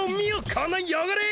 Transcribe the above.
このよごれ！